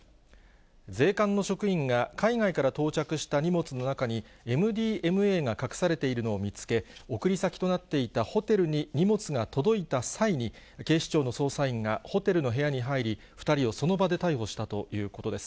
税関の職員が、海外から到着した荷物の中に、ＭＤＭＡが隠されているのを見つけ、送り先となっていたホテルに荷物が届いた際に、警視庁の捜査員がホテルの部屋に入り、２人をその場で逮捕したということです。